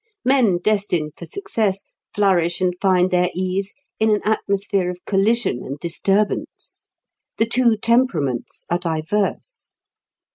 Men destined for success flourish and find their ease in an atmosphere of collision and disturbance. The two temperaments are diverse.